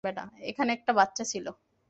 এখানে একটা বাচ্চা ছিল।